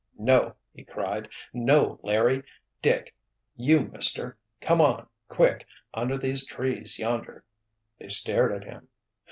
"No!" he cried. "No! Larry—Dick—you, Mister! Come on, quick—under these trees yonder!" They stared at him.